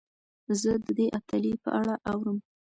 زه د دې اتلې په اړه اورم.